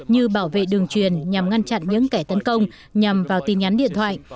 như bảo vệ đường truyền nhằm ngăn chặn những kẻ tấn công nhằm vào tin nhắn điện thoại